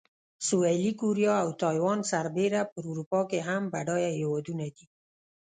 سویلي کوریا او تایوان سربېره په اروپا کې هم بډایه هېوادونه دي.